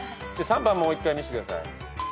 ３番もう１回見せてください。